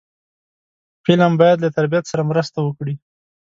فلم باید له تربیت سره مرسته وکړي